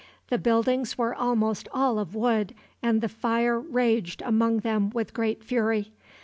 The buildings were almost all of wood, and the fire raged among them with great fury.